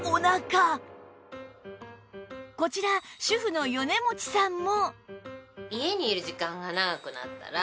こちら主婦の米持さんも